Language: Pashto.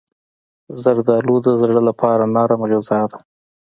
زردالو د زړه لپاره نرم غذا ده.